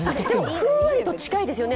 ふんわりと近いですよね。